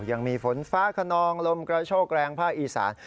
ยังมีฝนฟ้าขนองลมกระโชกแรงภาคอีสาน